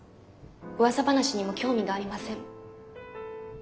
うわさ話にも興味がありません。